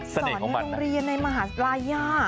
สอนในโรงเรียนในมหาศาลาย่า